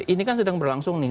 ini kan sedang berlangsung nih